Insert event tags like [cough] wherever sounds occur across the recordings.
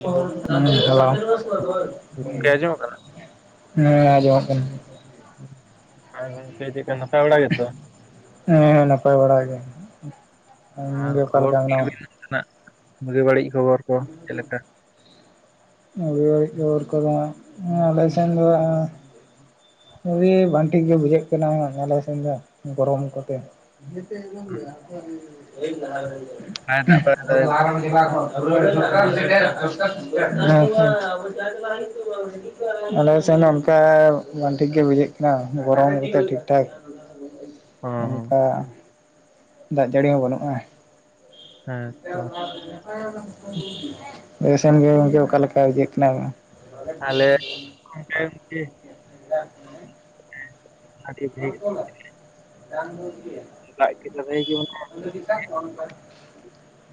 Hello ᱜᱚᱝᱠᱮ ᱟᱸᱡᱚᱢᱚᱜ ᱠᱟᱱᱟ? ᱦᱮᱸ ᱟᱸᱡᱚᱢᱟᱜ ᱠᱟᱱᱟ ᱾ ᱟᱨ ᱜᱚᱢᱠᱮ ᱪᱮᱫ ᱞᱮᱠᱟ ᱱᱟᱯᱟᱭ ᱵᱟᱲᱟ ᱜᱮ ᱛᱚ ᱦᱮᱸ ᱦᱮᱸ ᱱᱟᱯᱟᱭ ᱵᱟᱲᱟ ᱜᱮ ᱟᱢ ᱜᱮ ᱚᱠᱟ ᱞᱮᱠᱟ ᱢᱮᱱᱟᱢᱟ ᱾ ᱱᱟᱜ ᱵᱩᱜᱤ ᱵᱟᱹᱲᱤᱡ ᱠᱷᱚᱵᱚᱨ ᱠᱚ ᱪᱮᱫ ᱦᱮᱸ ᱞᱮᱠᱟ ᱵᱩᱜᱤ ᱵᱟᱲᱤᱡ ᱠᱷᱚᱵᱚᱨ ᱠᱚ ᱫᱚ ᱟᱞᱮ ᱥᱮᱱ ᱫᱚ ᱟᱰᱤ ᱵᱟᱝ ᱴᱷᱤᱠ ᱜᱮ ᱵᱩᱡᱷᱟᱹᱜ ᱠᱟᱱᱟ ᱟᱞᱮ ᱥᱮᱱᱫᱚ ᱜᱚᱨᱚᱢ ᱠᱚᱛᱮ ᱟ ᱵᱟᱭ ᱫᱟᱜ ᱵᱟᱲᱟ ᱫᱟᱭ? ᱡ ᱠᱚ [inaudible] [inaudible] ᱟᱞᱮ ᱥᱮᱱ ᱚᱱᱠᱟ ᱵᱟᱝ ᱴᱷᱤᱠ ᱜᱮ ᱵᱩᱡᱷᱟᱹᱜ ᱠᱟᱱᱟ ᱜᱚᱨᱚᱢᱛᱮ ᱴᱷᱤᱠᱴᱷᱟᱠ ᱚ ᱚᱱᱠᱟ ᱫᱟᱜ ᱡᱟᱹᱲᱤ ᱦᱚᱸ ᱵᱟᱹᱱᱩᱜᱼᱟ ᱾ ᱦᱮᱸ ᱛᱚ ᱵᱮᱥᱱ [inaudible] ᱜᱮ ᱜᱮ ᱚᱠᱟᱞᱮ ᱟᱯᱮᱥᱮᱫ ᱜᱮ ᱜᱚᱝᱠᱮ ᱪᱮᱫ ᱞᱮᱠᱟ ᱵᱩᱡᱷᱟᱜ ᱠᱟᱱᱟ ᱾ ᱟᱞᱮ ᱜᱠᱤ [inaudible] ᱭᱟᱜ ᱱᱮᱸ᱾ [unintelligible] ᱱᱚᱶᱟ ᱵᱷᱟᱜᱤ ᱠᱚᱨᱮ ᱰᱟᱝ ᱡᱩᱛ‌ ᱜᱮᱭᱟ᱾ ᱫᱟᱜ ᱠᱮᱫᱟ ᱵᱷᱟᱜᱤ ᱜᱮ ᱢᱟᱱᱮ ᱟᱫᱚ ᱪᱤᱠᱟ‌ ᱠᱩᱣᱟᱢ‌ ᱱᱩᱝᱠᱟ ᱫᱚ᱾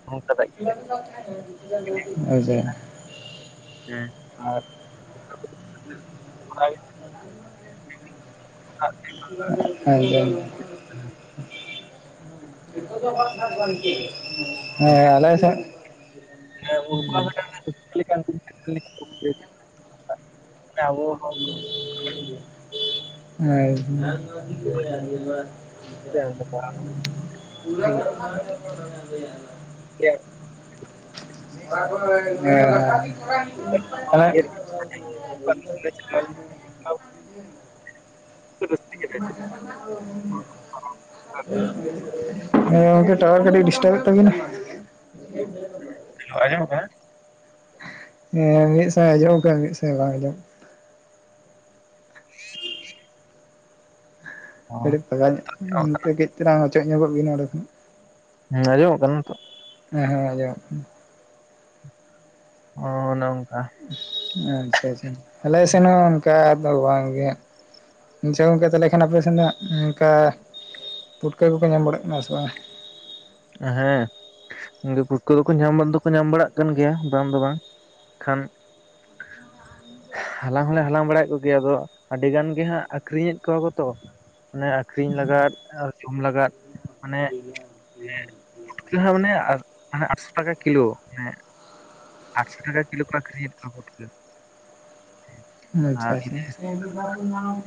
ᱱᱚᱝᱠᱟ ᱫᱟᱜ ᱠᱮᱫᱟᱭ [unintelligible] ᱳᱣᱻᱡᱟᱼᱼ [unintelligible] ᱦᱮᱸ ᱟᱨ [inaudible] ᱟᱭᱼᱼ ᱨᱟᱠᱷᱟ ᱡᱚᱢ ᱢᱮ᱾ [unintelligible] ᱦᱮᱸ ᱟᱞᱮ ᱥᱮᱜᱼᱼ ᱢᱟᱱᱮ ‌ᱚᱱᱠᱩ ᱣᱟᱜ ᱢᱮᱜᱴᱮᱱ ᱠᱩ‌ᱠᱞᱤ ᱠᱟᱱ ᱠᱩ [inaudible] ᱢᱟᱱᱮ ᱟᱵᱚᱼᱼ [inaudible] ᱦᱚᱸᱭᱼᱼ ᱦᱮᱸ ᱟᱸᱡᱚᱢᱚᱜ [inaudible] [unintelligible] [unintelligible] [unintelligible] [unintelligible] [unintelligible] [inaudible] ᱦᱮᱸ ᱜᱚᱝᱠᱮ ᱴᱟᱣᱟᱨ ᱠᱟᱹᱴᱤᱡ ᱰᱤᱥᱴᱟᱵᱮᱫ ᱛᱟᱹᱵᱤᱱᱟᱭ᱾ [inaudible] ᱦᱚᱭ ᱟᱧᱡᱚᱢᱚᱜ ᱠᱟᱱᱟ? ᱦᱮᱸ ᱢᱤᱫ ᱥᱚᱢᱚᱭ ᱟᱧᱡᱚᱢᱚᱜ ᱠᱟᱱᱟ ᱢᱤᱫ ᱥᱚᱢᱚᱭ ᱵᱟᱝ ᱟᱧᱡᱚᱢᱚᱜᱼᱼ [inaudible] ᱟᱹᱰᱤ ᱛᱟᱡᱟ ᱧᱚᱜ ᱩᱸᱻ ᱠᱟᱹᱡᱽ ᱛᱮᱞᱟᱝ ᱚᱪᱚᱜ ᱧᱚᱜᱚᱜ ᱵᱤᱱ ᱚᱸᱰᱮ ᱠᱷᱚᱱᱼᱼ ᱦᱮᱸ ᱟᱧᱡᱚᱢᱚᱜ ᱠᱟᱱᱟ ᱱᱤᱛᱚᱜ? ᱦᱮᱸ ᱦᱮᱸ ᱟᱸᱡᱚᱢᱚᱜ ᱠᱟᱱᱟ᱾ ᱚᱻ ᱱᱚᱝᱠᱟ᱾ ᱟᱪᱪᱷᱟ ᱟᱪᱪᱷᱟ ᱟᱞᱮ ᱥᱮᱱ ᱦᱚᱸ ᱚᱱᱠᱟ ᱫᱚ ᱵᱟᱝ ᱜᱮ᱾ ᱟᱪᱷᱟ ᱜᱚᱝᱠᱮ ᱛᱟᱦᱟᱞᱮ ᱠᱷᱟᱱ ᱟᱯᱮ ᱥᱮᱱ ᱱᱟᱜ ᱚᱱᱠᱟ ᱯᱩᱴᱠᱟᱹ ᱠᱚᱯᱮ ᱧᱟᱢ ᱵᱟᱲᱟᱜ ᱠᱟᱱᱟ ᱥᱮ ᱵᱟᱝ? ᱦᱮᱸ᱾ ᱜᱮ ᱯᱩᱴᱠᱟᱹ ᱫᱚᱠᱚ ᱧᱟᱢ ᱵᱟ ᱫᱚᱠᱚ ᱧᱟᱢ ᱵᱟᱲᱟᱜ ᱠᱟᱱ ᱜᱮᱭᱟ ᱵᱟᱝ ᱫᱚ ᱵᱟᱝ ᱠᱷᱟᱱᱼᱼ ᱦᱟᱞᱟᱝ ᱦᱚᱞᱮ ᱦᱟᱞᱟᱝ ᱵᱟᱲᱟᱭᱮᱜ ᱠᱚ ᱜᱮᱭᱟ ᱟᱫᱚ ᱟᱹᱰᱤ ᱜᱟᱱ ᱜᱮ ᱦᱟᱸᱜ ᱟᱠᱷᱨᱤᱧᱮᱫ ᱠᱚᱣᱟ ᱠᱚᱛᱚᱼᱼ ᱢᱟᱱᱮ ᱟᱠᱷᱨᱤᱧ ᱞᱟᱜᱟᱫ ᱟᱨ ᱡᱚᱢ ᱞᱟᱜᱟᱫ ᱢᱟᱱᱮᱜᱼᱼ [unintelligible] ᱠᱤ‌ ᱦᱟᱸᱜ ᱢᱟᱱᱮ ᱟᱨ ᱢᱟᱱᱮ ᱟᱴᱥᱚ ᱴᱟᱠᱟ ᱠᱤᱞᱳ ᱱᱮᱜᱼᱼ ᱟᱴᱥᱚ ᱴᱟᱠᱟ ᱠᱤᱞᱳ ᱠᱚ ᱟᱠᱷᱨᱤᱧᱮᱫ ᱠᱚᱣᱟ ᱯᱩᱴᱠᱟᱹ᱾ ᱟᱪᱪᱷᱟ ᱟᱨ ᱟᱪᱪᱷᱟ ᱤᱱᱟᱹ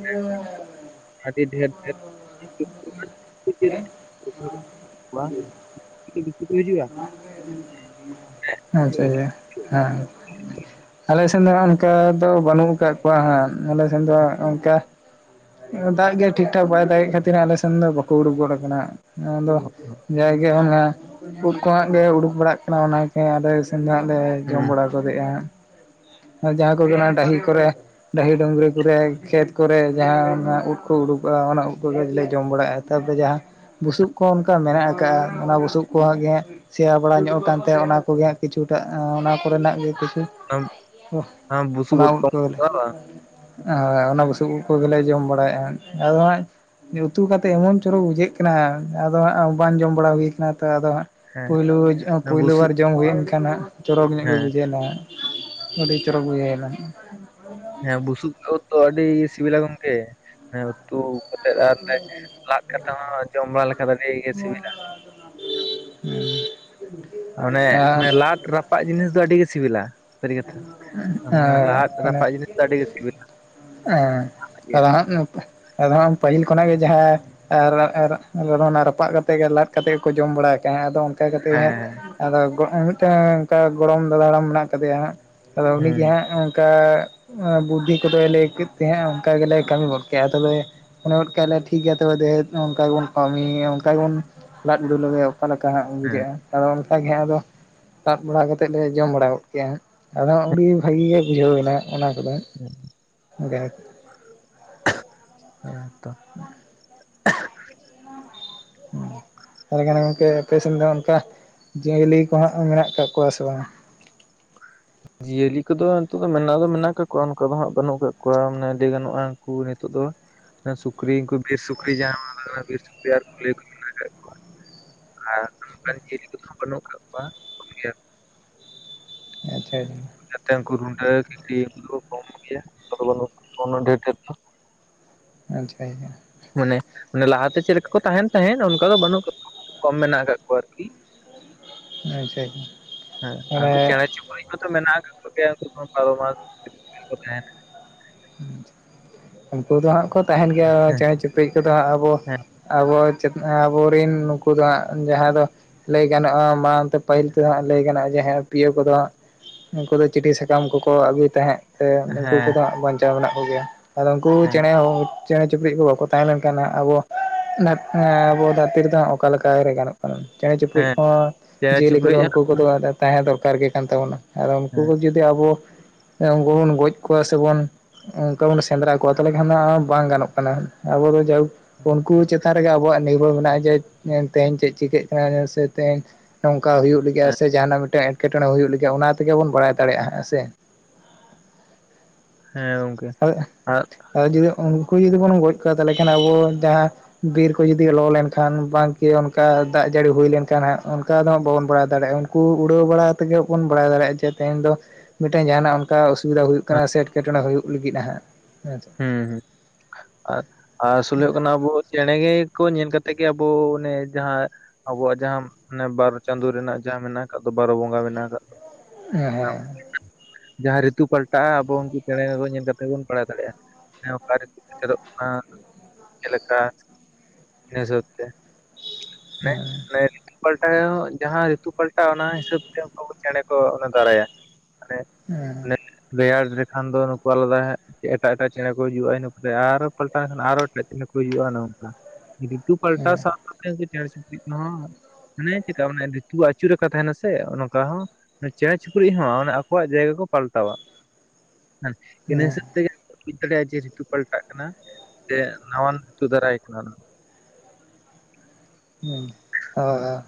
[inaudible] ᱟᱰᱤ ᱰᱷᱮᱨ ᱰᱷᱮᱨ ᱠᱩᱼᱼ [unintelligible] [unintelligible] ᱫᱤᱠᱩ ᱠᱩ ‌ᱦᱤᱩᱡᱩᱜ-ᱟ᱾ ᱟᱪᱪᱷᱟ ᱟᱪᱷᱟ ᱦᱮᱸ᱾ ᱟᱞᱮ ᱮᱥᱱ ᱫᱚ ᱦᱟᱸᱜ ᱚᱱᱠᱟ ᱫᱚ ᱵᱟᱱᱩᱜ ᱟᱠᱟᱜ ᱠᱚᱣᱟ ᱦᱟᱸᱜ ᱟᱞᱮ ᱥᱮᱱ ᱫᱚ ᱦᱟᱸᱜ ᱚᱱᱠᱟᱼᱼ ᱚᱻ ᱫᱟᱜ ᱜᱮ ᱴᱷᱤᱠ ᱴᱷᱟᱠ ᱵᱟᱭ ᱫᱟᱜᱮᱜ ᱠᱷᱟᱹᱛᱤᱨ ᱟᱞᱮ ᱥᱮᱱ ᱫᱚ ᱵᱟᱠᱚ ᱩᱰᱩᱠ ᱜᱚᱫ ᱠᱟᱱᱟ᱾ ᱟᱫᱚ ᱡᱟᱜᱮ ᱚᱱᱟ ᱩᱫ ᱠᱚ ᱦᱟᱸᱜ ᱜᱮ ᱩᱰᱩᱠ ᱵᱟᱲᱟᱜ ᱠᱟᱱᱟ ᱚᱱᱟᱼᱼ ᱦᱮᱸ ᱟᱞᱮ ᱥᱮᱱ ᱫᱚ ᱦᱟᱸᱜ ᱞᱮ ᱡᱚᱢ ᱵᱟᱲᱟ ᱜᱚᱫᱮᱜ-ᱟ ᱟᱨ ᱡᱟᱦᱟᱸ ᱠᱚ ᱜᱮ ᱰᱟᱹᱦᱤ ᱠᱚᱨᱮᱼᱼ ᱰᱟᱹᱦᱤ ᱰᱩᱝᱜᱽᱨᱤ ᱠᱚᱨᱮ ᱠᱷᱮᱛ ᱠᱚᱨᱮ ᱡᱟᱦᱟᱸ ᱱᱟᱜ ᱩᱫ ᱠᱚ ᱩᱰᱩᱠᱚᱜ-ᱟ ᱚᱱᱟ ᱩᱫ ᱠᱚᱜᱮ ᱞᱮ ᱡᱚᱢ ᱵᱟᱲᱟᱭᱟ ᱟᱨᱼᱼ ᱛᱟᱯᱚᱨᱮ ᱡᱟᱦᱟᱸ ᱵᱩᱥᱩᱵ ᱠᱚᱦᱚᱸ ᱚᱱᱠᱟ ᱢᱮᱱᱟᱜ ᱟᱠᱟᱜ-ᱟ ᱚᱱᱟ ᱵᱩᱥᱩᱵ ᱠᱚᱦᱟᱸᱜ ᱜᱮ ᱥᱮᱸᱭᱟ ᱵᱟᱲᱟ ᱧᱚᱜ ᱠᱟᱱ ᱛᱮ ᱚᱱᱟ ᱠᱚᱜᱮ ᱦᱟᱸᱜ ᱠᱤᱪᱷᱩ ᱴᱟᱜ ᱚᱸᱻ ᱚᱱᱟ ᱠᱚᱨᱮ ᱱᱟᱜ ᱜᱮ ᱠᱤᱪᱷᱩᱼᱼ ᱟᱢᱼᱼ ᱳᱦ ᱚᱱᱟ ᱩᱫ ᱠᱚᱜᱮ ᱞᱮᱼᱼ ᱚᱻ ᱦᱚᱭ ᱚᱱᱟ ᱵᱩᱥᱩᱵ ᱩᱫ ᱠᱚᱜᱮ ᱞᱮ ᱡᱚᱢ ᱵᱟᱲᱟᱭᱮᱜ-ᱟ ᱟᱨ ᱦᱟᱸ ᱩᱛᱩ ᱠᱟᱛᱮᱜ ᱮᱢᱚᱱ ᱪᱚᱨᱚᱠ ᱵᱩᱡᱷᱟᱹᱜ ᱠᱟᱱᱟ ᱦᱟᱸ ᱟᱫᱚ ᱦᱟᱸᱜ ᱵᱟᱝ ᱡᱚᱢ ᱵᱟᱲᱟ ᱦᱩᱭ ᱠᱟᱱᱟ ᱛᱚ ᱟᱫᱚ ᱦᱟᱸᱜᱼᱼ ᱦᱮᱸ ᱯᱩᱭᱞᱩ ᱡᱚ ᱚᱸᱻ ᱯᱩᱭᱞᱩ ᱵᱩᱥᱩᱵ ᱵᱟᱨ ᱡᱚᱢ ᱦᱩᱭᱮᱱ ᱠᱷᱟᱱ ᱦᱟᱸᱜ ᱪᱚᱨᱚᱠ ᱧᱚᱜ ᱜᱮ ᱦᱮᱸ ᱵᱩᱡᱷᱟᱹᱣᱱᱟ᱾ ᱟᱹᱰᱤ ᱪᱚᱨᱚᱠ ᱵᱩᱡᱷᱟᱹᱭ ᱱᱟ᱾ ᱦᱮᱸ ᱵᱩᱥᱩᱯ ᱩᱫ ᱫᱚ ᱟᱹᱰᱤ ᱥᱤᱵᱤᱞᱟ ᱜᱚᱢᱠᱮ᱾ ᱦᱮᱸ ᱩᱛᱩ ᱼᱼ ᱠᱟᱛᱮᱫ ᱟᱨ [inaudible] ᱞᱟᱜ ᱠᱟᱛᱮ ᱦᱚᱸ ᱡᱚᱢ ᱵᱟᱲᱟ ᱞᱮᱠᱷᱟᱱ ᱟᱹᱰᱤ ᱜᱮ ᱥᱤᱵᱤᱞᱟ। ᱚᱱᱮ ᱚᱱᱮ ᱞᱟᱫ ᱨᱟᱯᱟᱜ ᱡᱤᱱᱤᱥ ᱫᱚ ᱟᱹᱰᱤ ᱜᱮ ᱥᱤᱵᱤᱞᱟ, ᱥᱟᱹᱨᱤ ᱠᱟᱛᱷᱟ। ᱢᱟᱱᱮ ᱟᱨ ᱞᱟᱫ ᱚᱱᱮ ᱨᱟᱯᱟᱜ ᱡᱤᱱᱤᱥ ᱫᱚ ᱟᱹᱰᱤ ᱜᱮ ᱥᱤᱵᱤᱞᱟ। [inaudible] [unintelligible] ᱟᱫᱷᱟᱱ ᱯᱟᱹᱦᱤᱞ ᱠᱷᱚᱱᱟᱜ ᱜᱮ ᱡᱟᱦᱟᱸ ᱟᱨ ᱚᱱᱟ ᱨᱟᱯᱟᱜ ᱠᱟᱛᱮ ᱜᱮ ᱞᱟᱫ ᱠᱟᱛᱮ ᱜᱮᱠᱚ ᱡᱚᱢ ᱵᱟᱲᱟ ᱟᱠᱟᱫᱟ ᱟᱫᱚ ᱼᱼ ᱚᱱᱠᱟ ᱠᱟᱛᱮ ᱦᱮᱸ ᱦᱟᱸᱜ ᱟᱫᱚ ᱢᱤᱫᱴᱮᱱ ᱚᱱᱠᱟ ᱜᱚᱲᱚᱢ ᱫᱟᱫᱟ ᱦᱟᱲᱟᱢ ᱢᱮᱱᱟᱜ ᱠᱟᱫᱮᱭᱟ ᱦᱟᱸᱜ। ᱟᱫᱚ ᱦᱩᱸ ᱩᱱᱤᱜᱮ ᱦᱟᱸᱜ ᱚᱱᱠᱟ ᱼᱼ ᱵᱩᱫᱽᱫᱷᱤ ᱠᱚᱫᱚ ᱞᱟᱹᱭ ᱠᱮᱫ ᱛᱮ ᱦᱟᱸᱜ ᱚᱱᱠᱟ ᱜᱮᱞᱮ ᱠᱟᱹᱢᱤ ᱜᱚᱫ ᱠᱮᱜᱼᱟ ᱛᱚᱵᱮ ᱼᱼ ᱢᱚᱱᱮ ᱜᱚᱫ ᱠᱮᱜᱼᱟᱞᱮ ᱴᱷᱤᱠ ᱜᱮᱭᱟ ᱛᱚᱵᱮ ᱫᱮᱦᱮ ᱚᱱᱠᱟ ᱜᱮᱵᱚᱱ ᱠᱟᱹᱢᱤᱭᱟ ᱚᱱᱠᱟ ᱜᱮᱵᱚᱱ ᱞᱟᱫ ᱵᱤᱰᱟᱹᱣ ᱞᱮᱜᱮ। ᱚᱠᱟ ᱞᱮᱠᱟ ᱦᱟᱸᱜ ᱦᱮᱸ ᱵᱩᱡᱷᱟᱹᱜᱼᱟ ᱟᱫᱚ ᱚᱱᱠᱟᱜᱮ ᱦᱟᱸᱜ ᱟᱫᱚ ᱼᱼ ᱞᱟᱫ ᱵᱟᱲᱟ ᱠᱟᱛᱮᱫ ᱞᱮ ᱡᱚᱢ ᱵᱟᱲᱟ ᱜᱚᱫ ᱠᱮᱜᱼᱟ ᱦᱟᱸᱜ ᱟᱫᱚ ᱟᱹᱰᱤ ᱵᱷᱟᱹᱜᱤ ᱜᱮ ᱵᱩᱡᱷᱟᱹᱣ ᱮᱱᱟ ᱚᱱᱟ ᱠᱚᱫᱚ। ᱦᱮᱸ [inaudible] ᱜᱮ ᱦᱮᱸ ᱛᱚ [inaudible] ᱛᱟᱦᱟᱞᱮ ᱠᱷᱟᱱ ᱜᱚᱝᱠᱮ ᱟᱯᱮ ᱥᱮᱫ ᱫᱚ ᱚᱱᱠᱟ ᱡᱤᱭᱟᱹᱞᱤ ᱠᱚ ᱦᱟᱸᱜ ᱢᱮᱱᱟᱜ ᱠᱟᱜ ᱠᱚᱣᱟ ᱥᱮ ᱵᱟᱝᱟ? [inaudible] ᱡᱤᱭᱟᱹᱞᱤ ᱠᱚᱫᱚ ᱱᱤᱛᱚᱜ ᱫᱚ ᱢᱮᱱᱟᱜ ᱫᱚ ᱢᱮᱱᱟᱜ ᱠᱟᱜ ᱠᱚᱣᱟ ᱚᱱᱠᱟ ᱫᱚ ᱦᱟᱸᱜ ᱵᱟᱹᱱᱩᱜ ᱠᱟᱜ ᱠᱚᱣᱟ᱾ ᱢᱟᱱᱮ ᱞᱟᱹᱭ ᱜᱟᱱᱚᱜᱼᱟ ᱩᱱᱠᱩ ᱦᱤᱛᱚᱜ ᱫᱚ ᱼᱼ ᱚᱱᱟ ᱥᱩᱠᱨᱤ ᱩᱱᱠᱩ ᱵᱤᱨ ᱥᱩᱠᱨᱤ ᱡᱟᱦᱟᱸᱭ ᱫᱚ ᱵᱤᱨ ᱥᱩᱠᱨᱤ ᱟᱨ ᱠᱩᱞᱟᱹᱭ ᱠᱚ ᱢᱮᱱᱟᱜ ᱟᱠᱟᱫ ᱠᱚᱣᱟ। ᱟᱨ ᱚᱱᱠᱟᱱ ᱡᱤᱭᱟᱹᱞᱤ ᱠᱚᱫᱚ ᱵᱟᱹᱱᱩᱜ ᱠᱟᱜ ᱠᱚᱣᱟ᱾ᱠᱚᱢ ᱜᱮᱭᱟᱠᱚ। ᱟᱪᱪᱷᱟ [inaudible] ᱡᱟᱛᱮ ᱩᱱᱠᱩ ᱨᱩᱸᱰᱟᱹ, ᱜᱤᱫᱤ ᱩᱱᱠᱩ ᱫᱚ ᱠᱚ ᱠᱚᱢ ᱜᱮᱭᱟ᱾ ᱚᱱᱠᱟ ᱫᱚ ᱵᱟᱹᱱᱩᱜ ᱠᱟᱜ ᱠᱚᱣᱟ ᱩᱱᱟᱹᱜ ᱰᱷᱮᱨ ᱰᱷᱮᱨ ᱫᱚ। [inaudible] ᱟᱪᱷᱟᱭ ᱜᱮ। ᱢᱟᱱᱮ ᱚᱱᱮ ᱞᱟᱦᱟᱛᱮ ᱪᱮᱫ ᱞᱮᱠᱟ ᱠᱚ ᱛᱟᱦᱮᱱ ᱛᱟᱦᱮᱸᱫ ᱚᱱᱠᱟ ᱫᱚ ᱵᱟᱹᱱᱩᱜ ᱠᱟᱜ ᱠᱚᱣᱟ। ᱠᱚᱢ ᱢᱮᱱᱟᱜ ᱟᱠᱟᱫ ᱠᱚᱣᱟ ᱟᱨᱠᱤ। ᱟᱪᱪᱷᱟ ᱟᱪᱪᱷᱟ ᱢᱟᱱᱮ ᱼᱼ ᱪᱩᱯᱲᱤᱡ ᱠᱚᱫᱚ ᱢᱮᱱᱟᱜ ᱟᱠᱟᱫ ᱠᱚ ᱜᱮᱭᱟ᱾ ᱩᱱᱠᱩ ᱵᱟᱨᱚ ᱢᱟᱥ [unintelligible] ᱛᱟᱦᱮᱱᱟ। ᱩᱱᱠᱩ ᱫᱚ ᱦᱟᱸᱜ ᱠᱚ ᱛᱟᱦᱮᱱ ᱜᱮᱭᱟ᱾ ᱦᱮᱸ ᱪᱮᱬᱮ ᱪᱩᱯᱤᱼᱼ ᱼᱯᱤ ᱠᱚᱫᱚ ᱦᱟᱸᱜ ᱟᱵᱚ ᱦᱮᱸ ᱟᱵᱚ ᱪᱮᱫ ᱟᱵᱚᱨᱤᱱ ᱱᱩᱠᱩ ᱫᱚ ᱦᱟᱸᱜ ᱡᱟᱦᱟᱸ ᱫᱚ ᱼᱼ ᱞᱟᱹᱭ ᱜᱟᱱᱚᱜᱼᱟ ᱢᱟᱲᱟᱝ ᱛᱮ ᱯᱟᱹᱦᱤᱞ ᱛᱮᱫᱚ ᱦᱟᱸᱜ ᱞᱟᱹᱭ ᱜᱟᱱᱚᱜᱼᱟ ᱡᱮ ᱦᱮᱸ ᱯᱤᱭᱳ ᱠᱚᱫᱚ ᱦᱟᱸᱜ ᱼᱼ ᱩᱱᱠᱩ ᱫᱚ ᱪᱤᱴᱷᱤ ᱥᱟᱠᱟᱢ ᱠᱚᱠᱚ ᱟᱹᱜᱩᱭ ᱛᱟᱦᱮᱸᱜ। ᱥᱮ ᱱᱩᱠᱩ ᱦᱮᱸ ᱠᱚᱫᱚ ᱦᱟᱸᱜ ᱵᱟᱧᱪᱟᱣ ᱢᱮᱱᱟᱜ ᱠᱚᱜᱮᱭᱟ᱾ ᱟᱫᱚ ᱩᱱᱠᱩ ᱦᱮᱸ ᱪᱮᱬᱮ ᱦᱚᱸ ᱼᱼ ᱪᱮᱬᱮ ᱪᱩᱯᱲᱤᱡ ᱠᱚ ᱵᱟᱠᱚ ᱛᱟᱦᱮᱸ ᱞᱮᱱ ᱠᱷᱟᱱ ᱦᱟᱸᱜ ᱟᱵᱚ ᱟᱵᱚ ᱫᱷᱟᱹᱨᱛᱤ ᱨᱮᱫᱚ ᱦᱟᱸᱜ ᱚᱠᱟ ᱞᱮᱠᱟᱨᱮ ᱜᱟᱱᱚᱜ ᱼᱼ ᱪᱮᱬᱮ ᱪᱩᱯᱲᱤᱡ ᱦᱮᱸ ᱠᱚᱦᱚᱸ ᱪᱮᱬᱮ ᱡᱤᱭᱟᱹᱞᱤ ᱠᱚᱫᱚ ᱪᱤᱯᱨᱩᱡ ᱦᱮᱸ ᱩᱱᱠᱩ ᱠᱚᱫᱚ ᱛᱟᱦᱮᱸ ᱫᱚᱨᱠᱟᱨ ᱜᱮ ᱠᱟᱱ ᱛᱟᱵᱚᱱᱟ। ᱟᱨ ᱩᱱᱠᱩ ᱠᱚ ᱡᱩᱫᱤ ᱟᱵᱚ ᱩᱱᱠᱩ ᱵᱚᱱ ᱜᱚᱡ ᱠᱚᱣᱟ ᱥᱮ ᱵᱚᱱ ᱼᱼ ᱚᱱᱠᱟ ᱵᱚᱱ ᱥᱮᱸᱫᱽᱨᱟ ᱠᱚᱣᱟ ᱛᱟᱦᱚᱞᱮ ᱠᱷᱟᱱ ᱫᱚ ᱦᱟᱸᱜ ᱵᱟᱝ ᱜᱟᱱᱚᱜ ᱠᱟᱱᱟ᱾ ᱟᱵᱚ ᱫᱚ ᱡᱟᱭᱦᱩᱠ ᱼᱼ ᱩᱱᱠᱩ ᱪᱮᱛᱟᱱ ᱨᱮᱜᱮ ᱟᱵᱚᱣᱟᱜ ᱱᱤᱨᱵᱷᱚᱨ ᱢᱮᱱᱟᱜᱼᱟ ᱡᱮ ᱮ ᱛᱮᱦᱤᱧ ᱪᱮᱫ ᱪᱤᱠᱟᱹᱜ ᱠᱟᱱᱟ ᱥᱮ ᱛᱮᱦᱮᱧ ᱼᱼ ᱱᱚᱝᱠᱟ ᱦᱩᱭᱩᱜ ᱞᱟᱹᱜᱤᱜᱼᱟ ᱦᱮᱸ ᱥᱮ ᱡᱟᱦᱟᱱᱟᱜ ᱢᱤᱫᱴᱟᱝ ᱮᱴᱠᱮᱴᱚᱬᱮ ᱦᱩᱭᱩᱜ ᱞᱟᱹᱜᱤᱜᱼᱟ ᱚᱱᱟ ᱛᱮᱜᱮ ᱵᱚᱱ ᱵᱟᱰᱟᱭ ᱫᱟᱲᱮᱭᱟᱜᱼᱟ ᱦᱮᱸ ᱥᱮ। ᱦᱮᱸ ᱜᱚᱝᱠᱮ ᱦᱳᱭ ᱟᱨ ᱟᱫᱚ ᱡᱩᱫᱤ ᱩᱱᱠᱩ ᱡᱩᱫᱤ ᱵᱚᱱ ᱜᱚᱡ ᱠᱚᱣᱟ ᱛᱟᱦᱞᱮ ᱠᱷᱟᱱ ᱟᱵᱚ ᱡᱟᱦᱟᱸ ᱼᱼ ᱵᱤᱨ ᱠᱚ ᱡᱩᱫᱤ ᱞᱚ ᱞᱮᱱᱠᱷᱟᱱ ᱵᱟᱝᱠᱤ ᱚᱱᱠᱟ ᱫᱟᱜ ᱡᱟᱹᱲᱤ ᱦᱩᱭ ᱞᱮᱱᱠᱷᱟᱱ ᱦᱟᱸᱜ ᱚᱱᱠᱟ ᱫᱚ ᱦᱟᱸᱜ ᱵᱟᱵᱚᱱ ᱵᱟᱲᱟᱭ ᱫᱟᱲᱮᱭᱟᱜᱼᱟ। ᱩᱱᱠᱩ ᱩᱲᱟᱹᱣ ᱵᱟᱲᱟ ᱛᱮᱜᱮ ᱵᱚᱱ ᱵᱟᱲᱟᱭ ᱫᱟᱲᱮᱭᱟᱜᱼᱟ᱾ ᱡᱮ ᱛᱮᱦᱮᱧ ᱫᱚ ᱼᱼ ᱢᱤᱫᱴᱮᱱ ᱡᱟᱦᱱᱟᱜ ᱚᱱᱠᱟ ᱚᱥᱩᱵᱤᱫᱟ ᱦᱩᱭᱩᱜ ᱠᱟᱱᱟ ᱥᱮ ᱮᱴᱠᱮᱴᱚᱬᱮ ᱦᱩᱭᱩᱜ ᱞᱟᱹᱜᱤᱫ-ᱟ ᱦᱟᱸᱜ। ᱦᱮᱸᱥᱮ ᱦᱮᱸ ᱦᱮᱸ ᱟᱨ ᱟᱨ ᱟᱥᱚᱞ ᱦᱩᱭᱩᱜ ᱠᱟᱱᱟ ᱟᱵᱚ ᱼᱼ ᱪᱮᱬᱮ ᱜᱮ ᱠᱚ ᱧᱮᱞ ᱠᱟᱛᱮᱜ ᱜᱮ ᱟᱵᱚ ᱚᱱᱮ ᱡᱟᱦᱟᱸ ᱼᱼ ᱟᱵᱚᱣᱟᱜ ᱡᱟᱦᱟᱸ ᱚᱱᱮ ᱵᱟᱨ ᱪᱟᱸᱫᱳ ᱨᱮᱱᱟᱜ ᱡᱟᱦᱟᱸ ᱢᱮᱱᱟᱜ ᱟᱠᱟᱫ ᱫᱚ ᱵᱟᱨᱚ ᱵᱚᱸᱜᱟ ᱢᱮᱱᱟᱜ ᱟᱠᱟᱫ ᱫᱚ। ᱦᱮᱸ ᱦᱮᱸ ᱡᱟᱦᱟᱸ ᱨᱤᱛᱩ ᱯᱟᱞᱴᱟᱜᱼᱟ ᱟᱵᱚ ᱩᱱᱠᱩ ᱪᱮᱬᱮ ᱧᱮᱞ ᱠᱟᱛᱮ ᱵᱚᱱ ᱵᱟᱲᱟᱭ ᱫᱟᱲᱮᱭᱟᱜᱼᱟ ᱚᱠᱟᱨᱮ ᱪᱮᱫ ᱪᱤᱠᱟᱹᱜ ᱠᱟᱱᱟ? ᱪᱮᱫ ᱞᱮᱠᱟ ᱤᱱᱟᱹ ᱦᱤᱥᱟᱹᱵ ᱛᱮ ᱢᱮ ᱢᱮ ᱯᱟᱞᱴᱟᱣ ᱨᱮ ᱡᱟᱦᱟᱸ ᱨᱤᱛᱩ ᱯᱟᱞᱴᱟᱜᱼᱟ ᱚᱱᱟ ᱦᱤᱥᱟᱹᱵ ᱛᱮ ᱩᱱᱠᱩ ᱪᱮᱬᱮ ᱠᱚ ᱚᱱᱟ ᱫᱟᱨᱟᱭᱟ ᱦᱮᱸ ᱨᱮᱭᱟᱲ ᱞᱮᱠᱷᱟᱱ ᱫᱚ ᱱᱩᱠᱩ ᱟᱞᱟᱫᱟ ᱦᱮᱸ ᱪᱮᱫ ᱮᱴᱟᱜ ᱮᱴᱟᱜ ᱪᱮᱬᱮ ᱠᱚ ᱦᱤᱡᱩᱜᱟ ᱤᱱᱟᱹᱛ ᱟᱨᱚ ᱯᱟᱞᱴᱟᱣ ᱮᱱᱠᱷᱟᱱ ᱟᱨᱚ ᱮᱴᱟᱜ ᱪᱮᱬᱮ ᱠᱚ ᱦᱤᱡᱩᱜ-ᱟ ᱚᱱᱮ ᱱᱚᱝᱠᱟ ᱨᱤᱛᱩ ᱯᱟᱞᱴᱟᱣ ᱦᱮᱸ ᱥᱟᱶ ᱥᱟᱶ ᱛᱮ ᱪᱮᱬᱮ ᱪᱩᱯᱲᱩᱡ ᱠᱚᱦᱚ ᱦᱟᱱᱮ ᱪᱮᱠᱟ ᱢᱟᱱᱮ ᱨᱤᱛᱩ ᱟᱹᱪᱩᱨ ᱞᱮᱠᱟ ᱛᱟᱦᱮᱱᱟᱥᱮ ᱚᱝᱠᱟ ᱦᱚᱸ ᱪᱮᱬᱮ ᱪᱩᱯᱨᱤᱡ ᱦᱚᱸ ᱢᱟᱱᱮ ᱟᱠᱚᱣᱟᱜ ᱡᱟᱭᱜᱟ ᱠᱚ ᱯᱟᱞᱴᱟᱣᱟ ᱦᱮ ᱤᱱᱟᱹ ᱦᱤᱥᱟᱹᱵ ᱛᱮᱜᱮ ᱼᱼ ᱵᱩᱡ ᱫᱟᱲᱮᱭᱟᱜ-ᱟ ᱡᱮ ᱨᱤᱛᱩ ᱯᱟᱞᱴᱟᱜ ᱠᱟᱱᱟ ᱥᱮ ᱱᱟᱣᱟᱱ ᱨᱤᱛᱩ ᱫᱟᱨᱟᱭ ᱠᱟᱱᱟ ᱻ ᱦᱩᱸ ᱦᱟ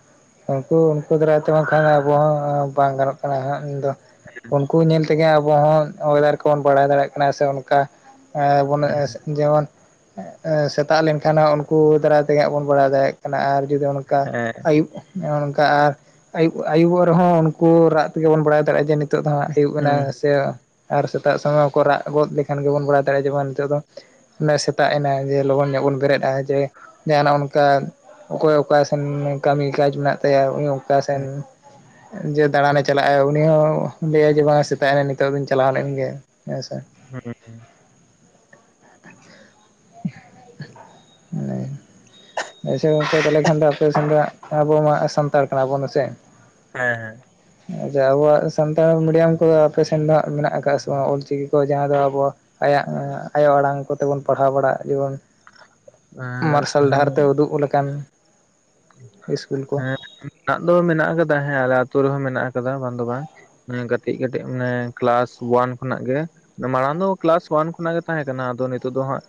ᱩᱱᱠᱩ ᱩᱱᱠᱩ ᱫᱟᱨᱟᱭ ᱛᱮ ᱵᱟᱝ ᱚᱱᱠᱷᱟᱱ ᱟᱵᱚ ᱦᱚᱸ ᱵᱟᱝ ᱜᱟᱱᱚᱜ ᱛᱟᱵᱚᱱᱟ ᱦᱮᱸ ᱦᱮᱸ ᱤᱧ ᱫᱟ ᱩᱱᱠᱩ ᱧᱮᱞ ᱛᱮᱜᱮ ᱟᱵᱚ ᱦᱚᱸ ᱚᱭᱮᱫᱟᱨ ᱠᱚᱵᱚᱱ ᱵᱟᱲᱟᱭ ᱫᱟᱲᱮᱭᱟᱜ ᱠᱟᱱᱟ ᱥᱮ ᱚᱱᱠᱟ ᱵᱚᱱ ᱦᱮᱸ ᱡᱮᱢᱚᱱ ᱥᱮᱛᱟᱜ ᱞᱮᱱᱠᱷᱟᱱ ᱦᱚᱸ ᱩᱱᱠᱩ ᱫᱟᱨᱟᱭ ᱛᱮ ᱦᱟᱸᱜ ᱵᱚᱱ ᱵᱟᱲᱟᱭ ᱫᱟᱲᱭᱟᱜ ᱠᱟᱱᱟ ᱟᱨ ᱡᱩᱫᱤ ᱚᱱᱠᱟ ᱦᱮᱸ ᱟᱹᱭᱩᱵ ᱱᱚᱜ ᱱᱚᱝᱠᱟ ᱟᱨ ᱟᱭᱩᱵ ᱟᱹᱩᱵᱚᱜ ᱨᱮᱦᱚᱸ ᱩᱱᱠᱩ ᱨᱟᱜ ᱛᱮᱜᱮ ᱵᱚᱱ ᱵᱟᱲᱟᱭ ᱫᱟᱲᱮᱭᱟᱜ-ᱟ ᱡᱮ ᱱᱤᱛ ᱱᱤᱛᱚᱜ ᱫᱚ ᱦᱟᱸᱜ ᱟᱹᱭᱩᱵ ᱮᱱᱟ ᱦᱮᱸ ᱥᱮ ᱟᱨ ᱥᱮᱛᱟᱜ ᱥᱚᱢᱚᱭ ᱦᱚᱸᱠᱚ ᱨᱟᱜ ᱜᱚᱫ ᱞᱮᱠᱷᱟᱱ ᱜᱮᱵᱚᱱ ᱵᱟᱲᱟᱭ ᱫᱟᱲᱮᱭᱟᱜ-ᱟ ᱡᱮᱢᱚᱱ ᱱᱤᱛᱚᱜ ᱫᱚ ᱩᱱᱟᱹᱜ ᱥᱮᱛᱟᱜ ᱮᱱᱟ ᱡᱮ ᱞᱚᱜᱚᱱ ᱧᱚᱜ ᱵᱚᱱ ᱵᱮᱨᱮᱫ ᱡᱮ ᱡᱟᱦᱟᱱᱟᱜ ᱚᱱᱠᱟ ᱚᱠᱚᱭ ᱚᱠᱟ ᱥᱮᱱ ᱠᱟᱹᱢᱤ ᱠᱟᱡᱽ ᱢᱮᱱᱟᱜ ᱛᱟᱭᱟ ᱩᱱᱤ ᱚᱠᱟ ᱥᱮᱱ ᱦᱮᱸ ᱡᱮ ᱫᱟᱬᱟᱱᱮ ᱪᱟᱞᱟᱜ-ᱟ ᱩᱱᱤ ᱦᱚᱸ ᱞᱟᱹᱭᱟᱭ ᱡᱮ ᱵᱟᱝᱟ ᱥᱮᱛᱟᱜ ᱮᱱᱟ ᱱᱤᱛᱚᱜ ᱫᱚᱧ ᱪᱟᱞᱟᱣ ᱞᱮᱱ ᱜᱮ ᱦᱮᱸ ᱥᱮ ᱦᱮᱸ ᱡᱮᱭᱥᱮ ᱜᱚᱝᱠᱮ ᱛᱟᱦᱚᱞᱮ ᱠᱷᱟᱱ ᱫᱚ ᱟᱯᱮ ᱥᱮ ᱫᱚ ᱟᱵᱚ ᱢᱟ ᱥᱟᱱᱛᱟᱲ ᱠᱟᱱᱟᱵᱚᱱ ᱢᱮᱥᱮ ᱦᱮᱸ ᱦᱮᱸ ᱟᱪᱪᱷᱟ ᱟᱵᱚᱣᱟᱜ ᱥᱟᱱᱛᱟᱲ ᱢᱤᱰᱤᱭᱟᱢ ᱠᱚᱫᱚ ᱟᱯᱮ ᱥᱮᱱ ᱫᱚ ᱢᱮᱱᱟᱜ ᱟᱠᱟᱫ ᱥᱮ ᱵᱟᱝ ᱚᱞᱪᱤᱠᱤ ᱠᱚ ᱡᱟᱦᱟᱸ ᱫᱚ ᱟᱵᱚᱣᱟᱜ ᱟᱭᱟᱜ ᱟᱭᱳ ᱟᱲᱟᱝ ᱠᱚᱛᱮᱵᱚᱱ ᱯᱟᱲᱦᱟᱣ ᱵᱟᱲᱟᱜ ᱡᱮᱢᱚᱱ ᱦᱮᱸ ᱢᱟᱨᱥᱟᱞ ᱦᱮᱸ ᱰᱟᱦᱟᱨ ᱛᱮ ᱩᱫᱩᱜ ᱞᱮᱠᱟᱱ ᱤᱥᱠᱩᱞ ᱠᱚ ᱦᱮᱸ ᱢᱮᱱᱟᱜ ᱫᱚ ᱢᱮᱱᱟᱜ ᱟᱠᱟᱫᱟ ᱦᱮᱸ ᱟᱞᱮ ᱟᱛᱩ ᱨᱮᱦᱚᱸ ᱢᱮᱱᱟᱜ ᱟᱠᱟᱫᱟ ᱵᱟᱝ ᱫᱚ ᱵᱟᱝ ᱠᱟᱹᱴᱤᱡ ᱠᱟᱹᱴᱤᱡ ᱢᱟᱱᱮ ᱠᱮᱞᱟᱥ ᱚᱣᱟᱱ ᱠᱷᱚᱱᱟᱜ ᱜᱮ ᱢᱟᱲᱟᱝ ᱫᱚ ᱠᱞᱟᱥ ᱚᱣᱟᱱ ᱠᱷᱚᱱᱟᱜ ᱜᱮ ᱛᱟᱦᱮᱸ ᱠᱟᱱᱟ ᱟᱫᱚ ᱱᱤᱛᱚᱜ ᱫᱚ ᱦᱟᱸᱜ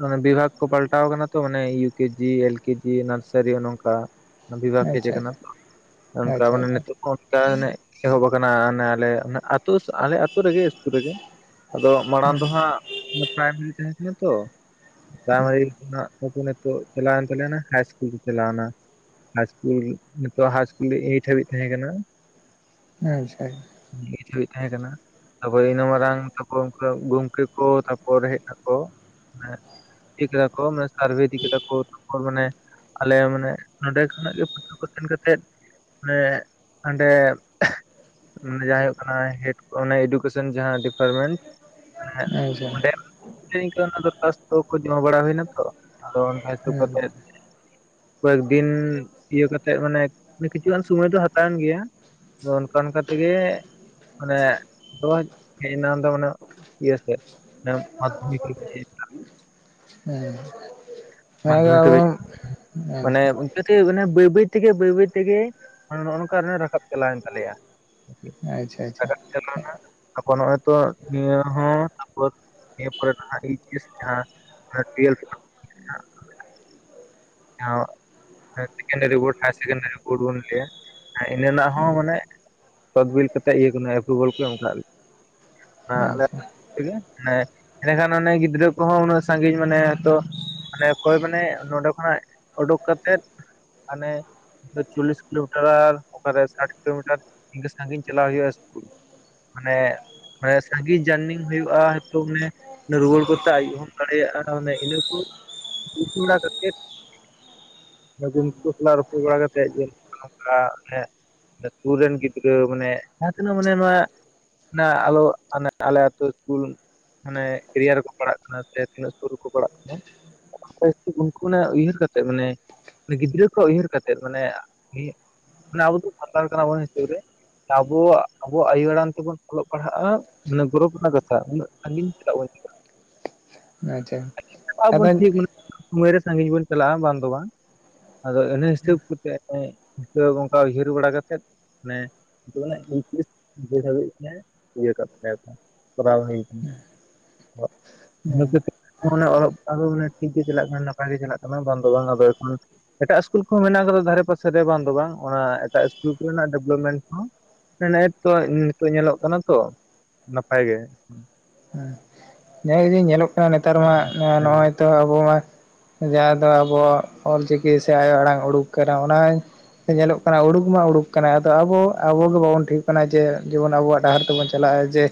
ᱢᱟᱱᱮ ᱵᱤᱵᱷᱟᱜᱽ ᱠᱚ ᱯᱟᱞᱴᱟᱣ ᱟᱠᱟᱱᱟ ᱛᱚ ᱢᱟᱱᱮ ᱤᱭᱩ ᱠᱮ ᱡᱤ ᱮᱞ ᱠᱮ ᱡᱤ ᱱᱟᱨ ᱥᱟᱹᱨᱤᱭᱟᱹ ᱱᱚᱝᱠᱟ ᱵᱤᱵᱷᱟᱜᱽ ᱦᱮᱡ ᱟᱪᱪᱷᱟ ᱟᱠᱟᱱᱟ ᱛᱟ ᱟᱪᱪᱷᱟ ᱚᱱᱠᱟ ᱟᱪᱪᱷᱟ ᱢᱟᱱᱮ ᱱᱤᱛᱚᱜ ᱚᱱᱠᱟ ᱚᱱᱮ ᱮᱦᱚᱵ ᱟᱠᱟᱱᱟ ᱚᱱᱮ ᱟᱞᱮ ᱟᱞᱮ ᱟᱛᱳ ᱨᱮᱜᱮ ᱤᱥᱠᱩᱞ ᱨᱮᱜᱮ ᱟᱫᱚ ᱢᱟᱲᱟᱝ ᱫᱚ ᱦᱟᱸᱜ ᱯᱨᱟᱭᱢᱟᱨᱤ ᱛᱟᱦᱮᱸ ᱠᱟᱱᱟ ᱛᱚ ᱯᱨᱟᱭᱢᱟᱨᱤ ᱠᱷᱚᱱᱟᱜ ᱛᱟ ᱪᱟᱞᱟᱣ ᱮᱱ ᱛᱟᱞᱮᱭᱟ ᱦᱟᱭ ᱥᱠᱩᱞ ᱤᱥᱠᱩᱞ ᱠᱚ ᱪᱟᱞᱟᱣ ᱮᱱᱟ ᱦᱟᱭ ᱤᱥᱠᱩᱞ ᱱᱤᱛᱚᱜ ᱦᱟᱭ ᱤᱥᱠᱩᱞ ᱨᱮ ᱮᱭᱤᱴ ᱦᱟᱹᱵᱤᱡ ᱛᱟᱦᱮᱸ ᱠᱟᱱᱟ ᱟᱪᱪᱷᱟᱭ ᱱᱮᱴ ᱦᱟᱵᱤᱡ ᱛᱟᱦᱮᱸ ᱠᱟᱱᱟ ᱛᱟᱯᱚᱨ ᱤᱱᱟᱹ ᱢᱟᱨᱟᱝ ᱛᱟᱯᱚᱨ ᱜᱚᱝᱠᱮ ᱠᱚ ᱛᱟᱯᱚᱨ ᱦᱮᱡ ᱱᱟᱠᱚ ᱫᱤᱠ ᱨᱟᱠᱚ ᱢᱮ ᱥᱟᱨᱵᱷᱮ ᱫᱤᱠ ᱠᱟᱛᱮ ᱠᱚ ᱛᱟᱯᱚᱨ ᱢᱟᱱᱮ ᱟᱞᱮ ᱢᱟᱱᱮ ᱱᱚᱰᱮ ᱠᱷᱚᱱᱟᱜ ᱜᱮ ᱯᱟᱹᱴᱷᱟᱹ ᱠᱚ ᱥᱮᱱ ᱠᱟᱛᱮᱫ ᱢᱟᱱᱮ ᱦᱟᱰᱮ ᱮ ᱡᱟᱦᱟᱸ ᱦᱩᱭᱩᱜ ᱠᱟᱱᱟ ᱦᱮᱰ ᱚᱱᱟ ᱮᱰᱩᱠᱮᱥᱚᱱ ᱡᱟᱦᱟᱸ ᱰᱤᱯᱟᱨᱢᱮᱱᱴ ᱢᱟᱱᱮ ᱟᱪᱪᱷᱟ ᱚᱸᱰᱮ ᱤᱱᱠᱟᱹ ᱫᱚᱨᱠᱷᱟᱥᱛᱚ ᱠᱚ ᱡᱚᱢᱟ ᱵᱟᱲᱟ ᱦᱩᱭᱮᱱᱟ ᱛᱚ ᱟᱫᱚ ᱦᱟᱭ ᱥᱩ ᱦᱮᱸ ᱠᱟᱛᱮᱫ ᱠᱚᱭᱮᱠ ᱫᱤᱱ ᱤᱭᱟᱹ ᱠᱟᱛᱮᱜ ᱢᱟᱱᱮ ᱠᱤᱪᱷᱩᱜᱟᱱ ᱥᱚᱢᱚᱭ ᱫᱚ ᱦᱟᱛᱟᱣᱮᱱ ᱜᱮᱭᱟ᱾ ᱟᱫᱚ ᱚᱱᱠᱟ ᱚᱱᱠᱟ ᱛᱮᱜᱮ ᱢᱟᱱᱮ ᱱᱚᱜ-ᱚᱭ ᱦᱮᱡᱱᱟ ᱫᱚ ᱢᱟᱱᱮ ᱤᱭᱟᱹ ᱥᱮᱫ [unintelligible] ᱢᱟᱫᱽᱫᱷᱚᱢᱤᱠ ᱦᱟᱹᱵᱤᱡ [unintelligible] ᱢᱟᱱᱮ ᱚᱱᱠᱟᱹ ᱛᱮ ᱵᱟᱹᱭ ᱵᱟᱹᱭ ᱛᱮᱜᱮ ᱵᱟᱹᱭ ᱵᱟᱹᱭ ᱛᱮᱜᱮ ᱱᱚᱜ-ᱚ ᱱᱚᱝᱠᱟ ᱨᱟᱠᱟᱵ ᱪᱟᱞᱟᱣᱮᱱ ᱛᱟᱞᱮᱭᱟ ᱟᱪᱷᱟ ᱟᱪᱷᱟ ᱪᱟᱞᱟᱣᱱᱟ ᱛᱟᱯᱚᱨ ᱱᱚᱜᱼᱚᱭ ᱛᱚ ᱱᱤᱭᱟᱹ ᱦᱚᱸ ᱛᱟᱯᱚᱨ ᱮᱨᱯᱚᱨ ᱡᱟᱦᱟ ᱮᱤᱪ ᱮᱥ ᱡᱟᱦᱟ ᱴᱩᱭᱮᱵᱷ ᱟᱨ [inaudible] ᱥᱮᱠᱮᱱᱴᱟᱨᱤ ᱵᱳᱲᱴ ᱦᱟᱭᱟᱨ ᱥᱮᱠᱮᱱᱴᱟᱨᱤ ᱵᱳᱲᱴ ᱵᱚᱱ ᱞᱟᱹᱭᱟ ᱤᱱᱟᱹ ᱨᱮᱱᱟᱜ ᱦᱚᱸ ᱢᱟᱱᱮ ᱛᱚᱛᱵᱤᱞ ᱠᱟᱛᱮᱫ ᱤᱭᱟᱹ ᱠᱟᱱᱟ ᱮᱯᱨᱩᱵᱮᱞ ᱠᱚ ᱮᱢ ᱠᱟᱫ ᱞᱮᱭᱟ ᱚᱱᱟ ᱟᱞᱮ ᱟᱪᱪᱷᱟ ᱴᱷᱮᱭᱟ ᱢᱟᱱᱮ [unintelligible] ᱮᱸᱰᱮᱠᱷᱟᱱ ᱚᱱᱮ ᱜᱤᱫᱽᱨᱟᱹ ᱠᱚᱦᱚᱸ ᱩᱱᱟᱹᱜ ᱥᱟᱺᱜᱤᱧ ᱢᱟᱱᱮ ᱛᱚ ᱢᱟᱱᱮ ᱚᱠᱚᱭ ᱢᱟᱱᱮ ᱱᱚᱰᱮ ᱠᱷᱚᱱᱟᱜ ᱩᱰᱳᱠ ᱠᱟᱛᱮᱫ ᱢᱟᱱᱮᱼᱼ ᱪᱚᱞᱞᱤᱥ ᱠᱤᱞᱳᱢᱤᱴᱟᱨ ᱚᱠᱟᱨᱮ ᱥᱟᱴ ᱠᱤᱞᱳᱢᱤᱴᱟᱨ ᱤᱱᱠᱟᱹ ᱥᱟᱺᱜᱤᱧ ᱪᱟᱞᱟᱜ ᱦᱩᱭᱩᱜᱼᱟ ᱤᱥᱠᱩᱞ᱾ ᱢᱟᱱᱮ ᱚᱱᱮ ᱥᱟᱜᱤᱧ ᱡᱟᱨᱱᱤᱝ ᱦᱩᱭᱩᱜᱼᱟ [unintelligible] ᱨᱩᱣᱟᱹᱲ ᱠᱚᱛᱮ ᱟᱭᱩᱵ ᱦᱚᱸᱢ ᱫᱟᱲᱮᱭᱟᱜᱼᱟ ᱮ ᱤᱱᱟᱹ ᱠᱚ ᱵᱩᱡ ᱵᱟᱲᱟ ᱠᱟᱛᱮᱫ ᱚᱫᱚ ᱩᱱᱠᱩ ᱥᱟᱞᱟᱜ ᱨᱟᱯᱚᱲ ᱵᱟᱲᱟ ᱠᱟᱛᱮᱜ ᱡᱮ ᱚᱱᱠᱟ ᱱᱚᱝᱠᱟ ᱥᱩᱨ ᱨᱮᱱ ᱜᱤᱫᱽᱨᱟᱹ ᱢᱟᱱᱮ ᱡᱟᱦᱟᱸ ᱛᱤᱱᱟᱹᱜ ᱢᱟᱱᱮ ᱱᱚᱣᱟᱼᱼ [unintelligible] ᱟᱞᱚ ᱟᱞᱮ ᱟᱛᱳ ᱤᱥᱠᱩᱞ ᱢᱟᱱᱮ ᱮᱨᱤᱭᱟ ᱨᱮᱠᱚ ᱯᱟᱲᱟᱜ ᱠᱟᱱᱟ ᱥᱮ ᱛᱤᱱᱟᱹᱜ ᱥᱩᱨ ᱨᱮᱠᱚ ᱯᱟᱲᱟᱜ ᱠᱟᱱᱟ ᱚᱱᱟ ᱠᱚ ᱟᱨᱠᱤᱼᱼ ᱚᱱᱟ ᱩᱭᱦᱟᱹᱨ ᱠᱟᱛᱮᱫ ᱢᱟᱱᱮ ᱜᱤᱫᱽᱨᱟᱹ ᱠᱚ ᱩᱭᱦᱟᱹᱨ ᱠᱟᱛᱮᱫ ᱢᱟᱱᱮᱼᱼ ᱟᱵᱚ ᱫᱚ ᱥᱟᱱᱛᱟᱲ ᱠᱟᱱᱟᱵᱚᱱ ᱦᱤᱥᱟᱹᱵ ᱨᱮ ᱟᱵᱚ ᱟᱵᱚᱭᱟᱜ᱾ ᱟᱭᱳ ᱟᱲᱟᱝ ᱛᱮᱵᱚᱱ ᱚᱞᱚᱜ ᱯᱟᱲᱦᱟᱜᱼᱟ ᱢᱟᱱᱮ ᱜᱚᱨᱚᱵᱽ ᱨᱮᱱᱟᱜ ᱠᱟᱛᱷᱟ ᱩᱱᱟᱹᱜ ᱥᱟᱺᱜᱤᱧ ᱪᱮᱫᱟᱜ ᱵᱚᱱ ᱪᱟᱞᱟᱜ-ᱟ᱾ ᱟᱪᱪᱷᱟ ᱟᱪᱪᱷᱟ ᱪᱟᱞᱟᱜ ᱟᱫᱚ ᱟᱵᱚᱱ ᱴᱷᱤᱠ ᱥᱚᱢᱚᱭ ᱨᱮ ᱥᱟᱺᱜᱤᱧ ᱵᱚᱱ ᱪᱟᱞᱟᱜᱼᱟ ᱵᱟᱝ ᱫᱚ ᱵᱟᱝ᱾ ᱟᱫᱚ ᱤᱱᱟᱹ ᱦᱤᱥᱟᱹᱵ ᱠᱟᱛᱮᱫ ᱚᱱᱠᱟ ᱩᱭᱦᱟᱹᱨ ᱵᱟᱲᱟ ᱠᱟᱛᱮᱫᱼᱼ ᱢᱟᱱᱮ ᱡᱩᱱ ᱩᱱᱛᱨᱤᱥ ᱦᱟᱵᱤᱡ ᱜᱮ ᱤᱭᱟᱹ ᱠᱟᱜ ᱛᱟᱯᱮᱭᱟ ᱠᱚ ᱠᱚᱨᱟᱣ ᱦᱩᱭ ᱠᱟᱱᱟ ᱚᱱᱟᱹ ᱦᱮᱸ ᱛᱮ ᱚᱞᱚᱜ ᱯᱟᱲᱦᱟᱣ ᱠᱚᱫᱚ ᱴᱷᱤᱠ ᱜᱮ ᱪᱟᱞᱟᱜ ᱠᱟᱱᱟ ᱱᱟᱯᱟᱭ ᱜᱮ ᱪᱟᱞᱟᱜ ᱠᱟᱱᱟ ᱵᱟᱝ ᱫᱚ ᱵᱟᱝ ᱟᱫᱚ ᱮᱠᱷᱚᱱ ᱮᱴᱟᱜ ᱤᱥᱠᱩᱞ ᱠᱚᱦᱚᱸ ᱢᱮᱱᱟᱜ ᱠᱟᱫᱟ ᱫᱷᱟᱨᱮ ᱯᱟᱥᱮ ᱨᱮ ᱵᱟᱝ ᱫᱚ ᱵᱟᱝ ᱚᱱᱟ ᱮᱴᱟᱜ ᱤᱥᱠᱩᱞ ᱠᱚᱨᱮᱱᱟᱜ ᱰᱮᱵᱷᱞᱚᱯᱢᱮᱱᱴ ᱦᱚᱸᱼᱼ ᱱᱮ ᱮᱸ ᱛᱚ ᱱᱤᱛᱚᱜ ᱧᱮᱞᱚᱜ ᱠᱟᱱᱟ ᱛᱚ ᱱᱟᱯᱟᱭ ᱜᱮ ᱱᱮ ᱡᱮ ᱧᱮᱞᱚᱜ ᱠᱟᱱᱟ ᱱᱮᱛᱟᱨ ᱢᱟ ᱦᱮᱸ ᱱᱚᱜᱼᱚᱭ ᱛᱚ ᱟᱵᱚ ᱢᱟᱼᱼ ᱡᱟᱦᱟᱸ ᱫᱚ ᱟᱵᱚᱣᱟᱜ ᱚᱞ ᱪᱤᱠᱤ ᱥᱮ ᱟᱭᱳ ᱟᱲᱟᱝ ᱩᱰᱩᱠ ᱠᱟᱱᱟ ᱚᱱᱟᱼᱼ ᱧᱮᱞᱚᱜ ᱠᱟᱱᱟ ᱩᱰᱩᱠ ᱢᱟ ᱩᱰᱩᱠ ᱠᱟᱱᱟ ᱟᱫᱚ ᱟᱵᱚ ᱟᱵᱚ ᱜᱮ ᱵᱟᱵᱚᱱ ᱴᱷᱤᱠ ᱠᱟᱱᱟ ᱡᱮ ᱡᱮᱢᱚᱱ ᱟᱵᱚᱣᱟᱜ ᱰᱟᱦᱟᱨ ᱛᱮᱵᱚᱱᱼᱼ ᱪᱟᱞᱟᱜᱼᱟ ᱡᱮ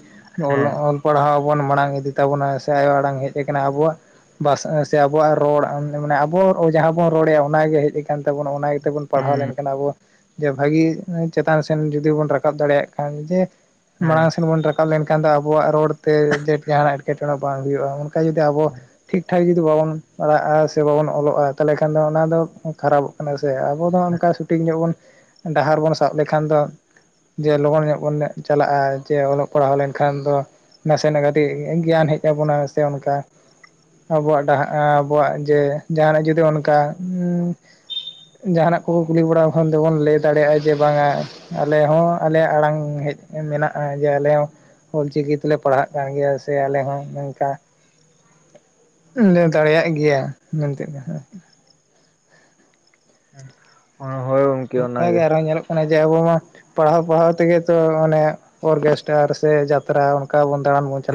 ᱦᱮᱸ ᱚᱞ ᱯᱟᱲᱦᱟᱣ ᱵᱚᱱ ᱢᱟᱲᱟᱝ ᱤᱫᱤ ᱛᱟᱵᱚᱱᱟ ᱥᱮ ᱟᱭᱳ ᱟᱲᱟᱝ ᱦᱮᱡ ᱠᱟᱱᱟ ᱟᱵᱚᱣᱟᱜᱼᱼ ᱵᱟᱥ ᱥᱮ ᱟᱵᱚᱣᱟᱜ ᱨᱚᱲ ᱢᱟᱱᱮ ᱟᱵᱚ ᱡᱟᱦᱟᱸ ᱵᱚᱱ ᱨᱚᱲ ᱮᱫᱼᱟ ᱚᱱᱟᱜᱮ ᱦᱮᱡ ᱟᱠᱟᱱ ᱛᱟᱵᱚᱱᱟ᱾ ᱚᱱᱟ ᱤᱭᱟᱹ ᱛᱮᱵᱚᱱ ᱯᱟᱲᱦᱟᱣ ᱞᱮᱱᱠᱷᱟᱱ ᱟᱵᱚᱼᱼ ᱡᱮ ᱵᱷᱟᱜᱤ ᱪᱮᱛᱟᱱ ᱥᱮᱱ ᱡᱩᱫᱤ ᱵᱚᱱ ᱨᱟᱠᱟᱵ ᱫᱟᱲᱮᱭᱟᱜ ᱠᱷᱟᱱ ᱡᱮ ᱦᱮᱸ ᱢᱟᱲᱟᱝ ᱥᱮᱱ ᱵᱚᱱ ᱨᱟᱠᱟᱵᱼᱼ ᱨᱟᱠᱟᱵ ᱞᱮᱱᱠᱷᱟᱱ ᱫᱚ ᱟᱵᱚᱣᱟᱜ ᱨᱚᱲᱛᱮ ᱡᱮ ᱡᱟᱦᱟᱱᱟᱜ ᱮᱴᱠᱮᱴᱚᱬᱮ ᱵᱟᱝ ᱦᱩᱭᱩᱜᱼᱟ᱾ ᱡᱩᱫᱤ ᱟᱵᱚ ᱴᱷᱤᱠ ᱴᱷᱟᱠ ᱡᱩᱫᱤ ᱵᱟᱵᱚᱱᱼᱼ ᱯᱟᱲᱦᱟᱜᱼᱟ ᱥᱮ ᱵᱟᱵᱚᱱ ᱚᱞᱚᱜᱼᱟ ᱛᱟᱦᱚᱞᱮ ᱠᱷᱟᱱ ᱫᱚ ᱚᱱᱟ ᱫᱚ ᱠᱷᱟᱨᱟᱯᱚᱜ ᱠᱟᱱᱟ ᱥᱮ ᱟᱵᱚ ᱫᱚ ᱚᱱᱠᱟ ᱥᱩᱴᱷᱤᱠ ᱧᱚᱜ ᱵᱚᱱᱼᱼ ᱰᱟᱦᱟᱨ ᱵᱚᱱ ᱥᱟᱵ ᱞᱮᱠᱷᱟᱱ ᱫᱚ ᱡᱮ ᱞᱚᱜᱚᱱ ᱧᱚᱜ ᱵᱚᱱ ᱪᱟᱞᱟᱜᱼᱟ ᱡᱮ ᱚᱞᱚᱜ ᱯᱟᱲᱦᱟᱣ ᱞᱮᱱᱠᱷᱟᱱ ᱫᱚ ᱱᱟᱥᱮᱱᱟᱜ ᱠᱟᱴᱤᱡᱼᱼ ᱜᱮᱭᱟᱱ ᱦᱮᱡ ᱟᱵᱚᱱᱟ ᱥᱮ ᱚᱱᱠᱟ ᱟᱵᱚᱣᱟᱜ ᱰᱟᱦᱟᱨ ᱟᱵᱚᱣᱟᱜ ᱡᱮ ᱡᱟᱦᱟᱱᱟᱜ ᱡᱩᱫᱤ ᱚᱱᱠᱟᱼᱼ ᱡᱟᱦᱟᱱᱟᱜ ᱠᱚᱠᱚ ᱠᱩᱞᱤ ᱵᱟᱲᱟ ᱠᱷᱟᱱ ᱫᱚᱵᱚᱱ ᱞᱟᱹᱭ ᱫᱟᱲᱮᱭᱟᱜᱼᱟ ᱡᱮ ᱵᱟᱝᱟ ᱟᱞᱮ ᱦᱚᱸ ᱟᱞᱮᱭᱟᱜ ᱟᱲᱟᱝ ᱦᱮᱡ ᱢᱮᱱᱟᱜᱼᱟ ᱡᱮ ᱟᱞᱮ ᱦᱚᱸᱼᱼ ᱚᱞ ᱪᱤᱠᱤ ᱛᱮᱞᱮ ᱯᱟᱲᱦᱟᱜ ᱠᱟᱱ ᱜᱮᱭᱟ ᱥᱮ ᱟᱞᱮ ᱦᱚᱸ ᱱᱚᱝᱠᱟ ᱞᱟᱹᱭ ᱫᱟᱲᱮᱭᱟᱜ ᱜᱮᱭᱟ ᱢᱮᱱᱛᱮ ᱫᱚ ᱦᱟᱜ ᱚᱱᱟ ᱦᱩᱭᱩᱜ ᱜᱚᱝᱠᱮ ᱚᱱᱠᱟ ᱜᱮ ᱟᱨᱦᱚᱸ ᱧᱮᱞᱚᱜ ᱠᱟᱱᱟ ᱡᱮ ᱟᱵᱚ ᱢᱟ ᱯᱟᱲᱦᱟᱣ ᱯᱟᱲᱦᱟᱣ ᱛᱮᱜᱮ ᱛᱚ ᱚᱱᱮ ᱚᱨᱠᱮᱥᱴᱟᱨ ᱥᱮ ᱡᱟᱛᱨᱟ ᱚᱱᱠᱟ ᱵᱚᱱ ᱫᱟᱲᱟᱱ ᱵᱚᱱ ᱪᱟᱞᱟᱜᱼᱟ